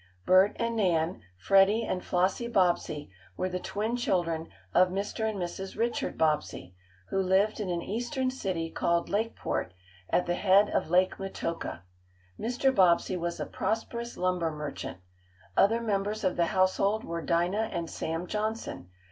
Bert and Nan, Freddie and Flossie Bobbsey were the twin children of Mr. and Mrs. Richard Bobbsey, who lived in an Eastern city called Lakeport, at the head of Lake Metoka. Mr. Bobbsey was a prosperous lumber merchant. Other members of the household were Dinah and Sam Johnson.